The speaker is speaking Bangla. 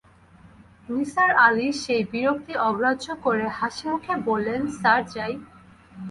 নিসার আলি সেই বিরক্তি অগ্রাহ্য করে হাসিমুখে বললেন, স্যার, যাই।